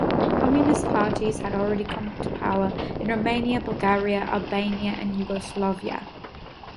Communist parties had already come to power in Romania, Bulgaria, Albania, and Yugoslavia.